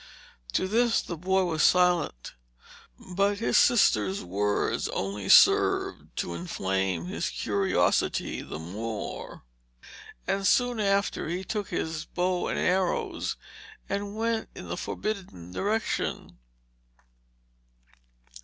To this the boy was silent; but his sister's words only served to inflame his curiosity the more, and soon after he took his how and arrows and went in the forbidden direction.